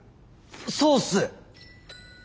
そうっす。